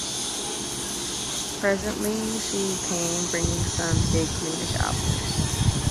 Presently she came, bringing some big greenish apples.